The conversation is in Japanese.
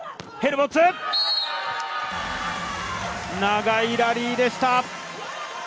長いラリーでした。